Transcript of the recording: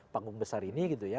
panggung besar ini gitu ya